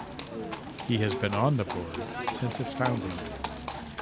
He has been on the board since its founding.